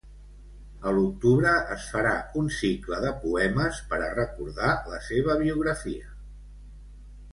A l'octubre es farà un cicle de poemes per a recordar la seva biografia.